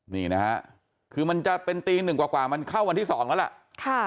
นี่นะฮะคือมันจะเป็นตีหนึ่งกว่ามันเข้าวันที่๒แล้วล่ะ